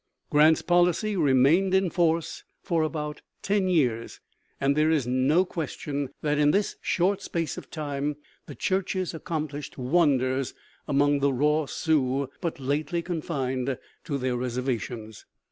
Grant's policy remained in force for about ten years, and there is no question that in this short space of time the churches accomplished wonders among the raw Sioux but lately confined to their reservations.